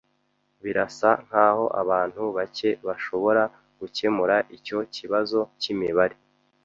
Birasa nkaho abantu bake bashobora gukemura icyo kibazo cyimibare.